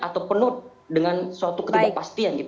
atau penuh dengan suatu ketidakpastian